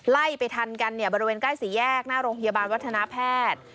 ไล่ไปทันกันเนี่ยบริเวณใกล้สี่แยกหน้าโรงพยาบาลวัฒนาแพทย์